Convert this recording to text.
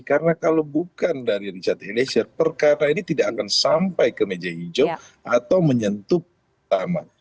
karena kalau bukan dari richard ini server karena ini tidak akan sampai ke meja hijau atau menyentuh taman